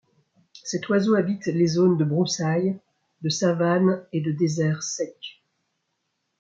Cet oiseau habite les zones de broussailles, de savanes et de déserts secs.